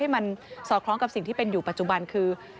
มันสอดคล้องกับสิ่งที่เป็นอยู่ปัจจุบันคือ